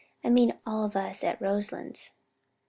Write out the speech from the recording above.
I mean all of us at Roselands."